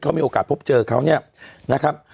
เขามีโอกาสพบเจอเขาเนี่ยนะครับ